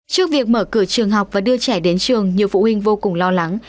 trước việc mở cửa trường học và đưa trẻ đến trường nhiều phụ huynh vô cùng lo lắng